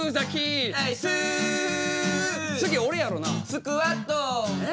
スクワットえ！？